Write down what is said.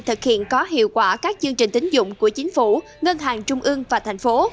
thực hiện có hiệu quả các chương trình tính dụng của chính phủ ngân hàng trung ương và thành phố